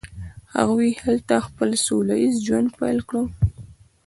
هغوی هلته خپل سوله ایز ژوند پیل کړ.